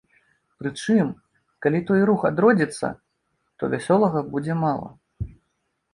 Прычым, калі той рух адродзіцца, то вясёлага будзе мала.